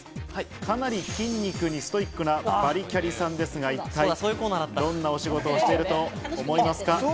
かなり筋肉にストイックなバリキャリさんですが、一体どんなお仕事をしていると思いますか？